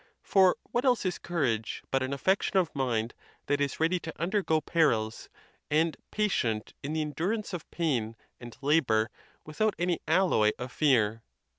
For what else is courage but an affection of mind that is ready to undergo perils, and patient in the endurance of pain and labor without any alloy of fear?